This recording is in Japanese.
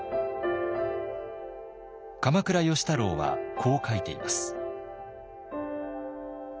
鎌倉芳太郎はこう書いています。